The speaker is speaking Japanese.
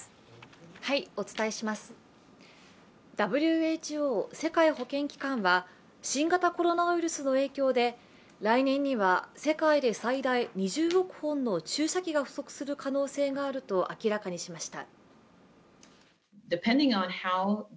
ＷＨＯ＝世界保健機関は新型コロナウイルスの影響で来年には世界で最大２０億本の注射器が不足する可能性があると明らかにしました。